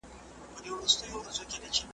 سوداګر ته پیر ویله چي هوښیار یې ,